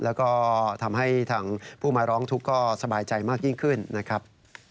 แล้วก็ทำให้ทางผู้มาร้องทุกข์ก็สบายใจมากยิ่งขึ้นนะครับ